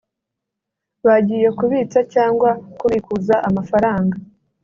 bagiye kubitsa cyangwa kubikuza amafaranga